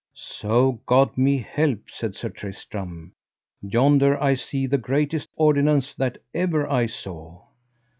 So God me help, said Sir Tristram, yonder I see the greatest ordinance that ever I saw.